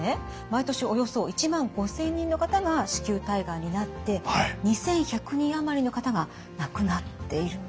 毎年およそ１万５，０００人の方が子宮体がんになって２，１００人余りの方が亡くなっているんです。